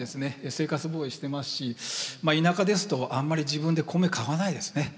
生活防衛してますしまあ田舎ですとあんまり自分で米買わないですね。